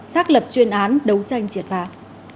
xác lập chuyên án đấu tranh triệt vạt